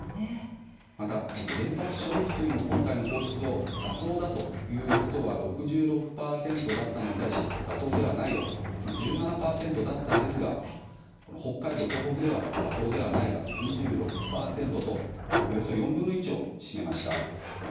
また原発処理水の今回の放出を妥当だという人は６６％だったのに対し妥当ではない、は１７％だったんですが北海道、東北では妥当ではない、が２６％とおよそ４分の１を占めました。